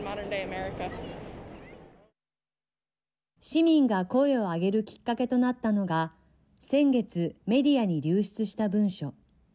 市民が声を上げるきっかけとなったのが先月、メディアに流出した文書。